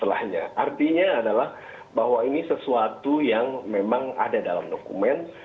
artinya adalah bahwa ini sesuatu yang memang ada dalam dokumen